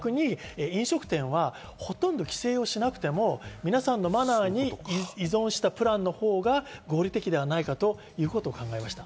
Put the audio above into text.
逆に飲食店はほとんど規制をしなくても皆さんのマナーに依存したプランのほうが合理的ではないかということを考えました。